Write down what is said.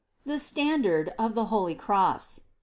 THE STANDARD OF THE HOLY CROSS.